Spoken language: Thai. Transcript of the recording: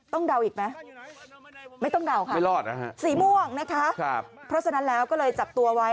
ต้องเดาอีกไหมไม่ต้องเดาค่ะสีม่วงนะคะเพราะฉะนั้นแล้วก็เลยจับตัวไว้